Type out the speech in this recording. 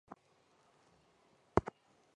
主要城镇为隆勒索涅。